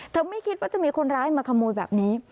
ไม่คิดว่าจะมีคนร้ายมาขโมยแบบนี้